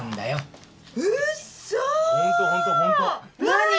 何？